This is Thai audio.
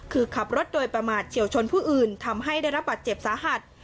คือขับรถโดยประมาทเฉียวชนผู้อื่นทำให้ได้รับบาดเจ็บสาหัส